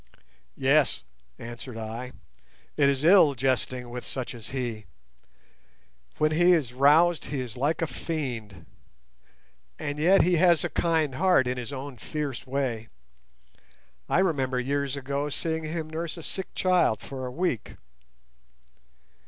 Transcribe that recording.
"Yes," answered I, "it is ill jesting with such as he. When he is roused he is like a fiend, and yet he has a kind heart in his own fierce way. I remember years ago seeing him nurse a sick child for a week.